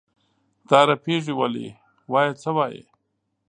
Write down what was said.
دا رپېږې ولې؟ وایه څه وایې؟